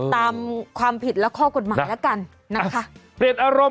ตามความผิดและข้อกฎหมายแล้วกันนะคะ